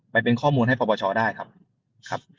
ไปเป็นข้อมูลให้ปปชได้ครับครับ